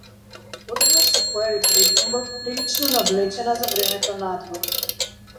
Одеднаш се појави пред него прилично необлечена за времето надвор.